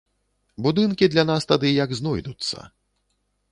Будынкі для нас тады як знойдуцца.